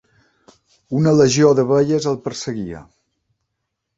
Una legió d'abelles el perseguia.